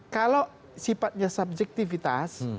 kalau sifatnya subjektivitas